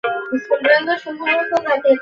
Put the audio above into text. দুর্গের মধ্যে যুদ্ধের প্রতীক্ষায় সকলেই ব্যস্ত।